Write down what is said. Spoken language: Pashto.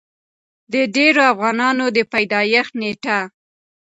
د ډېرو افغانانو د پېدايښت نيټه